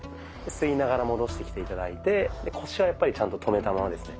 吸いながら戻してきて頂いて腰はやっぱりちゃんと止めたままですね。